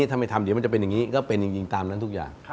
ถ้าไม่ทำเดี๋ยวมันจะเป็นอย่างนี้ก็เป็นจริงตามนั้นทุกอย่าง